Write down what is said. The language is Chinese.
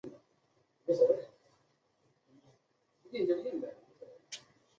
梧塘镇是中国福建省莆田市涵江区下辖的一个镇。